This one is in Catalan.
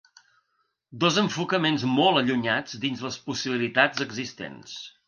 Dos enfocaments molt allunyats dins les possibilitats existents.